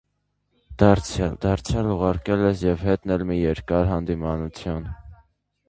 Դարձյալ, դարձյալ ուղարկել ես և հետն էլ մի երկար հանդիմանություն: